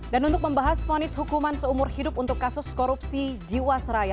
untuk membahas fonis hukuman seumur hidup untuk kasus korupsi jiwasraya